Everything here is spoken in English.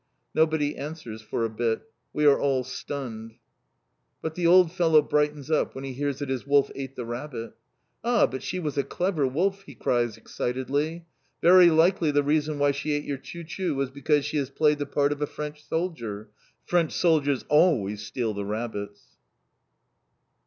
_" Nobody answers for a bit. We are all stunned. But the old fellow brightens up when he hears that his wolf ate the rabbit. "Ah, but she was a clever wolf!" he cries excitedly. "Very likely the reason why she ate your Chou chou was because she has played the part of a French soldier. _French soldiers always steal the rabbits!